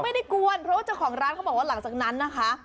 กวนเพราะว่าเจ้าของร้านเขาบอกว่าหลังจากนั้นนะคะ